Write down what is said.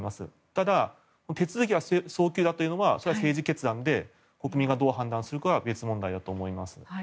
ただ、手続きが早急だというのはそれは政治決断で国民がどう判断するかは別問題だと思います。